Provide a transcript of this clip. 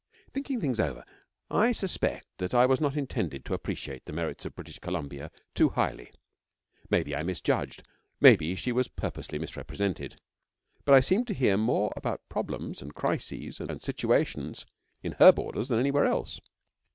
On thinking things over I suspect I was not intended to appreciate the merits of British Columbia too highly. Maybe I misjudged; maybe she was purposely misrepresented; but I seemed to hear more about 'problems' and 'crises' and 'situations' in her borders than anywhere else.